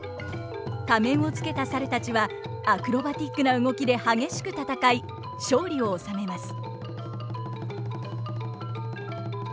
仮面をつけた猿たちはアクロバティックな動きで激しく戦い勝利を収めます。